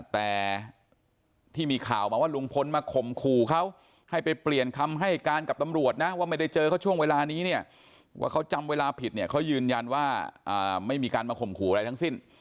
แต่ที่มีข่าวมาว่าลุงพลมาข่มขู่เขาให้ไปเปลี่ยนคำให้การกับตำรวจนะว่าไม่ได้เจอเขาช่วงเวลานี้เนี่ยว่าเขาจำเวลาผิดเนี่ยเขายืนยันว่าไม่มีการมาข่มขู่อะไรทั้งสิ้น